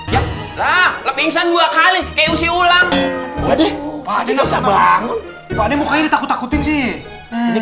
ya lah lebih dua kali ke usia ulang udah padi ngebangun padi mukanya takut takutin sih ini